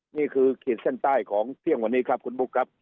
ขีดเส้นใต้ของเที่ยงวันนี้ครับคุณบุ๊คครับ